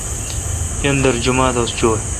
یاندر جمعہ دوس چویں۔